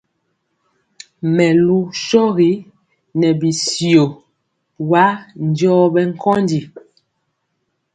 Mɛlu shɔgi nɛ bityio wa njɔɔ bɛ nkondi.